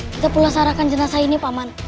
kita perlu sarankan jenazah ini pak man